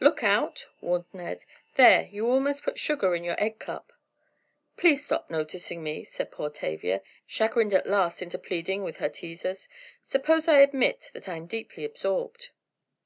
"Look out!" warned Ned, "there, you almost put sugar in your egg cup!" "Please stop noticing me," said poor Tavia, chagrined at last into pleading with her teasers. "Suppose I admit that I am deeply absorbed?"